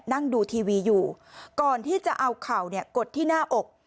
นั่งดูทีวีอยู่ก่อนที่จะเอาเข่าเนี่ยกดที่หน้าอก